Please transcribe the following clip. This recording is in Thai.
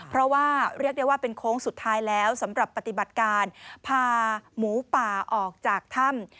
เพราะว่าเรียกได้ว่าเป็นโค้งสุดท้ายแล้วสำหรับปฏิบัติการพาหมูป่าออกจากถ้ำ